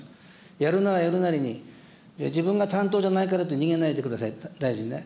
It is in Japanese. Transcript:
やるならやるなりに、自分が担当じゃないからと逃げないでください、大臣ね。